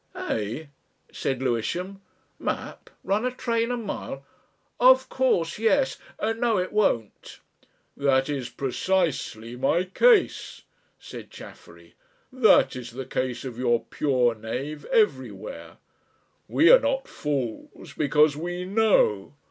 "Eh?" said Lewisham. "Map run a train a mile of course, yes. No, it won't." "That is precisely my case," said Chaffery. "That is the case of your pure knave everywhere. We are not fools because we know.